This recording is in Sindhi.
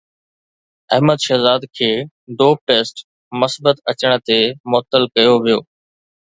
احمد شهزاد کي ڊوپ ٽيسٽ مثبت اچڻ تي معطل ڪيو ويو